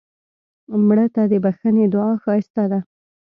مړه ته د بښنې دعا ښایسته ده